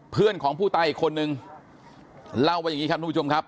เพื่อนของผู้ตายอีกคนนึงเล่าว่าอย่างนี้ครับทุกผู้ชมครับ